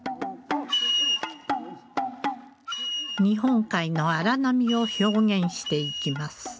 日本海の荒波を表現していきます。